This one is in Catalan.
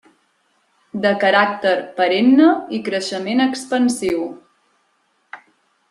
De caràcter perenne i creixement expansiu.